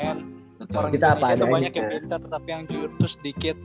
orang indonesia ada banyak yang pinter tapi yang jujur tuh sedikit